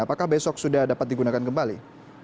apakah besok sudah dapat digunakan kembali